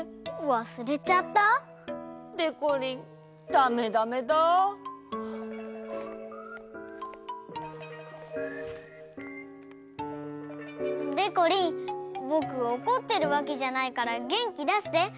忘れちゃった？でこりんダメダメだ。でこりんぼくおこってるわけじゃないからげんきだして。